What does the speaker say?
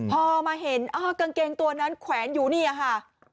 พอมาเห็นกางเกงตัวนั้นแขวนอยู่นี่ค่ะ